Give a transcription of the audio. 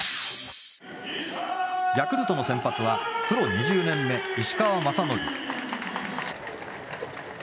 ヤクルトの先発はプロ２０年目石川雅規。